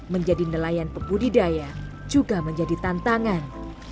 menjadi nelayan pembudidaya juga menjadi tantangan